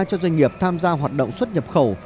cho doanh nghiệp tham gia hoạt động xuất nhập khẩu